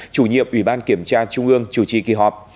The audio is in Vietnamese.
chủ nhiệm ủy ban kiểm tra trung ương chủ trì kỳ họp